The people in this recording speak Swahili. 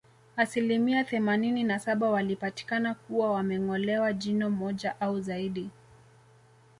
Asilimia themanini na saba walipatikana kuwa wamengolewa jino moja au zaidi